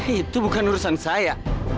itu bukan urusan saya